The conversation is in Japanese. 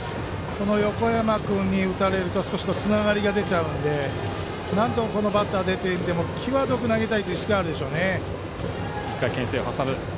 この横山君に打たれると少しつながりが出ちゃうのでなんとか、このバッターでという意味でも際どく投げたい意識はあるでしょうね。